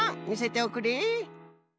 みせておくれ。